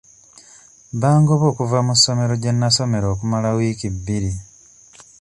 Bangoba okuva ku ssomero gye nasomero okumala wiiki bbiri.